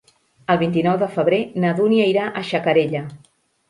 El vint-i-nou de febrer na Dúnia irà a Xacarella.